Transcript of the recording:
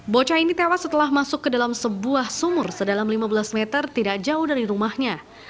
bocah ini tewas setelah masuk ke dalam sebuah sumur sedalam lima belas meter tidak jauh dari rumahnya